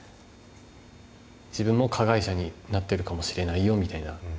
自分も加害者になってるかもしれないよみたいな。